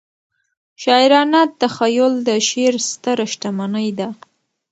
شاعرانه تخیل د شعر ستره شتمنۍ ده.